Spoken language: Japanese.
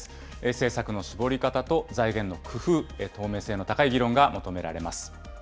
政策の絞り方と財源の工夫、透明性の高い議論が求められます。